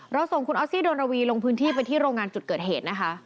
ส่งคุณออสซี่ดนระวีลงพื้นที่ไปที่โรงงานจุดเกิดเหตุนะคะ